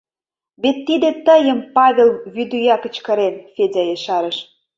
— Вет тиде тыйым, Павел, вӱдия кычкырен, — Федя ешарыш.